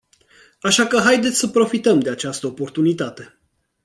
Așa că haideți să profităm de această oportunitate.